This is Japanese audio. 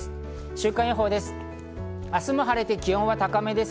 週間予報です。